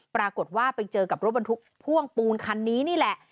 ปรากฏว่าไปเจอกับรถบรรทุกพ่วงปูนคันนี้นี่แหละ